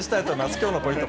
きょうのポイント